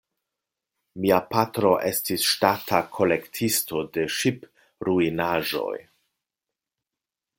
Mia patro estis ŝtata kolektisto de ŝipruinaĵoj.